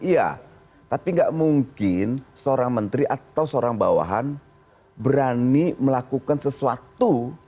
iya tapi nggak mungkin seorang menteri atau seorang bawahan berani melakukan sesuatu